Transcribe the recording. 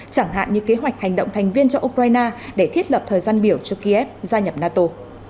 chẳng hạn như kế hoạch hành động thành viên cho ukraine để thiết lập thời gian biểu cho kiev gia nhập nato